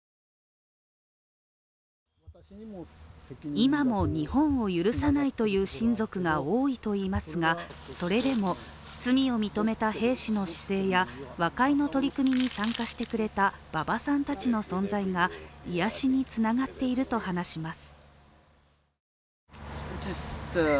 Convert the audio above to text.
今も日本を許さないという親族が多いといいますが、それでも、罪を認めた兵士の姿勢や和解の取り組みに参加してくれた馬場さんたちの存在が癒やしにつながっていると話します。